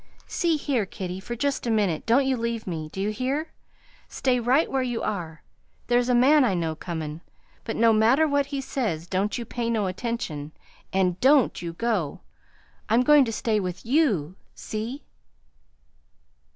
"See here, kiddie, for just a minute don't you leave me. Do you hear? Stay right where you are? There's a man I know comin'; but no matter what he says, don't you pay no attention, and DON'T YOU GO. I'm goin' to stay with YOU. See?"